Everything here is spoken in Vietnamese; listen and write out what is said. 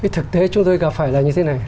thực tế chúng tôi gặp phải là như thế này